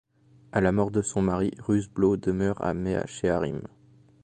À la mort de son mari, Ruth Blau demeure à Mea Shearim.